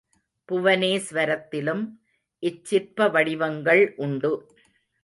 புவனேஸ்வரத்திலும் இச்சிற்ப வடிவங்கள் உண்டு.